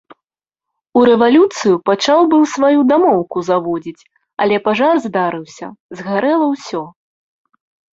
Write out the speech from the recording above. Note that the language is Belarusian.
У рэвалюцыю пачаў быў сваю дамоўку заводзіць, але пажар здарыўся, згарэла ўсё.